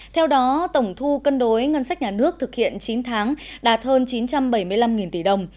theo đó tổng thu cân đối ngân sách nhà nước thực hiện chín tháng đạt hơn chín trăm bảy mươi năm tỷ đồng